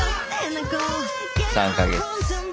３か月。